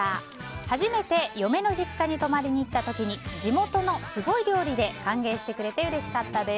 初めて嫁の実家に泊まりに行った時に地元のすごい料理で歓迎してくれてうれしかったです。